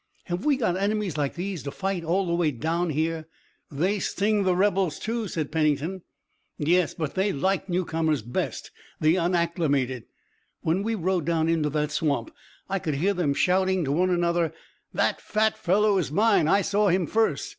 Have we got enemies like these to fight all the way down here?" "They sting the rebels, too," said Pennington. "Yes, but they like newcomers best, the unacclimated. When we rode down into that swamp I could hear them shouting, to one another: 'That fat fellow is mine, I saw him first!